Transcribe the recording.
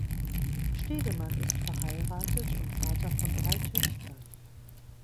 Stegemann ist verheiratet und Vater von drei Töchtern.